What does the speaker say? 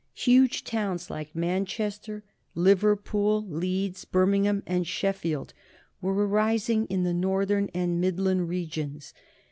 Huge towns like Manchester, Liverpool, Leeds, Birmingham, and Sheffield were arising in the Northern and Midland regions.